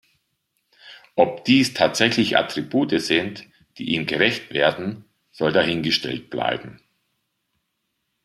Ob dies tatsächlich Attribute sind, die ihm gerecht werden, soll dahingestellt bleiben.